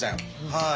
はい。